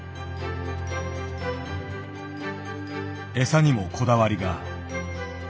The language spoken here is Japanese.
餌にもこだわりが。